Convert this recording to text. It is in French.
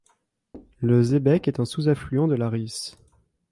Le Sébec est un sous-affluent de la Risle.